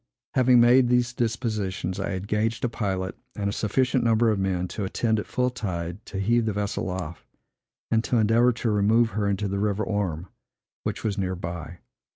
Having made these dispositions, I engaged a pilot and a sufficient number of men, to attend, at full tide, to heave the vessel off, and to endeavor to remove her into the river Orme, which was near by.